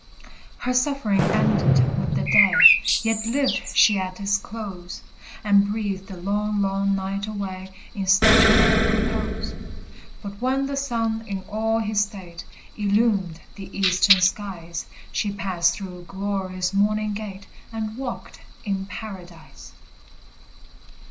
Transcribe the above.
Her suffering ended with the day; Yet lived she at its close, And breathed the long, long night away, In statue like repose. But when the sun, in all his state, Illumed the eastern skies, She passed through glory's morning gate, And walked in Paradise!